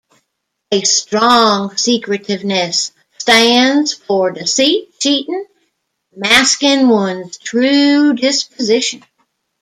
A strong Secretiveness stands for deceit, cheating, masking one's true disposition.